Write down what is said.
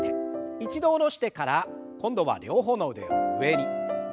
一度下ろしてから今度は両方の腕を上に。